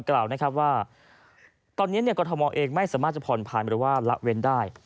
กล่าวว่าตอนนี้กฎธมอตเองไม่สามารถผ่อนผ่านหรือละเว้นได้